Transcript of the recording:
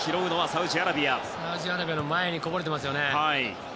サウジアラビアの前にこぼれてましたね。